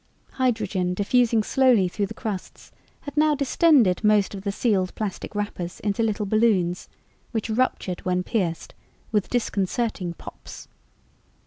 Hydrogen diffusing slowly through the crusts had now distended most of the sealed plastic wrappers into little balloons, which ruptured, when pierced, with disconcerting pops.